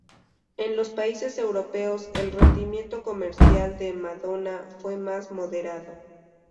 En los países europeos, el rendimiento comercial de "Madonna" fue más moderado.